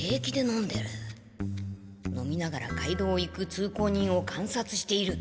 飲みながらかい道を行く通行人をかんさつしている。